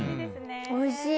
おいしい。